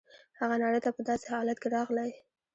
هغه نړۍ ته په داسې حالت کې راغلی.